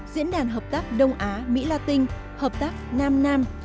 diễn đàn hợp tác đông á mỹ la tinh hợp tác nam nam